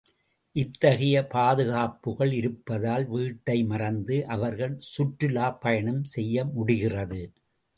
இத்தகைய பாதுகாப்புகள் இருப்பதால் வீட்டை மறந்து அவர்கள் சுற்றுலாப் பயணம் செய்ய முடிகிறது.